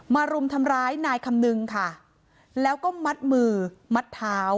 รุมทำร้ายนายคำนึงค่ะแล้วก็มัดมือมัดเท้า